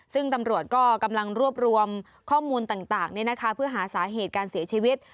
ซึ่งตำรวจก็กำลังรวบรวมข้อมูลต่างเพื่อหาสาเหตุการเสียชีวิต